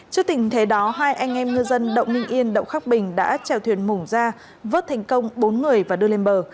trước tình thế đó hai anh em ngư dân động ninh yên động khắc bình đã trèo thuyền mủ ra vớt thành công bốn người và đưa lên bờ